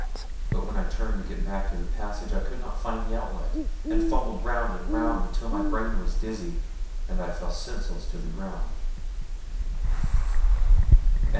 But when I turned to get back to the passage, I could not find the outlet, and fumbled round and round until my brain was dizzy, and I fell senseless to the ground.